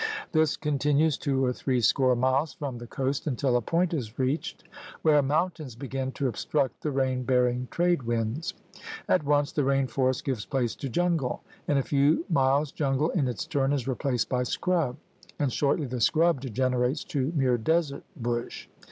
This continues two or three score miles from the coast until a point is reached where mountains begin to obstruct the rain bearing trade winds. At once the rain forest gives place to jungle; in a few miles jungle in its turn is replaced by scrub; and shortly the scrub degenerates to mere desert bush.